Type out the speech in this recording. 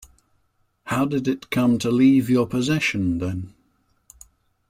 How did it come to leave your possession then?